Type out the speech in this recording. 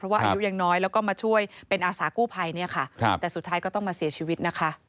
ว่าอายุยังน้อยแล้วก็มาช่วยเป็นอาสากู้ภัยเนี่ยค่ะแต่สุดท้ายก็ต้องมาเสียชีวิตนะคะ